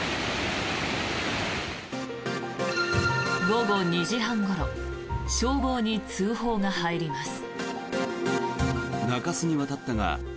午後２時半ごろ消防に通報が入ります。